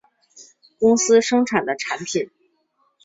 公司生产的产品